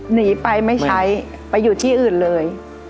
หนีไปไม่ใช้ไปอยู่ที่อื่นเลย